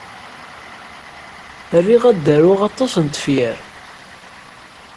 Riɣ ad d-aruɣ aṭas n tefyar.